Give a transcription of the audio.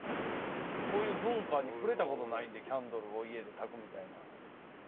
そういう文化に触れたことないんでキャンドルを家でたくみたいな。